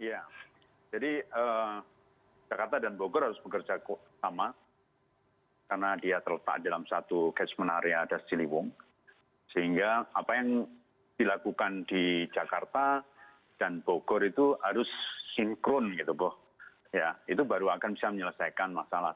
ya jadi jakarta dan bogor harus bekerja sama karena dia terletak dalam satu catchment area das ciliwung sehingga apa yang dilakukan di jakarta dan bogor itu harus sinkron gitu bahwa ya itu baru akan bisa menyelesaikan masalah